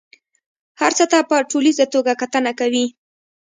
هر څه ته په ټوليزه توګه کتنه کوي.